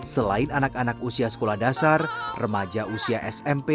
selain anak anak wintaus aksa juga bisa memperoleh makanan yang bisa dikelola sendiri